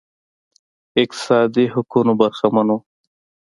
اقتصادي حقونو برخمن وو